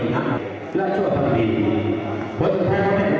นี่ไอ้โดมปุ่มจะตายทันทนะครับ